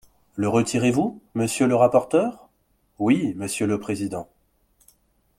Le retirez-vous, monsieur le rapporteur ? Oui, monsieur le président.